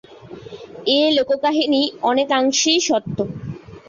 এ লোককাহিনী অনেকাংশেই সত্য।